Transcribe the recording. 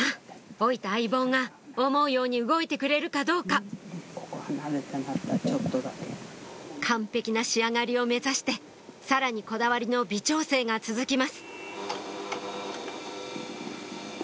老いた相棒が思うように動いてくれるかどうか完璧な仕上がりを目指してさらにこだわりの微調整が続きます